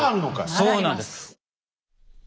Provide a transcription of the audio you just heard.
そうなんです。